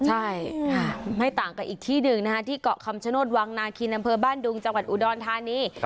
ใช่ไม่ต่างกับอีกที่หนึ่งนะคะที่เกาะคำชโนธวังนาคินอำเภอบ้านดุงจังหวัดอุดรธานี